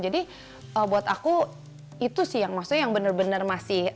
jadi buat aku itu sih yang maksudnya yang bener bener masih